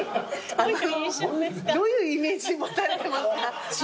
どういうイメージ持たれてます？